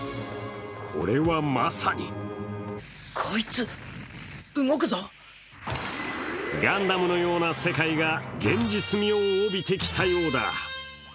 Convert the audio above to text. これはまさに「ガンダム」のような世界が現実味を帯びてきたようだ。